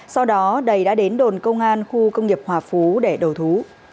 sau đó đầy đã đến đồn công an khu công nghiệp hòa phú để đầu thú